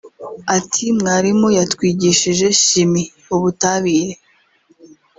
Ati “Mwarimu yatwigishije Chimie (Ubutabire)